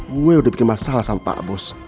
gue udah bikin masalah sama pak bos